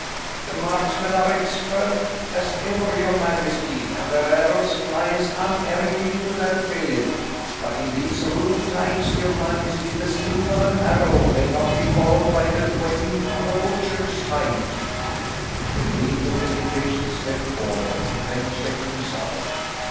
"The marksmen are expert as ever, your majesty, and their arrows fly as unerringly to their billet, but in these rude times, your majesty, the sting of an arrow may not be followed by the whetting of a butcher's knife." The king took an impatient step forward, then checked himself.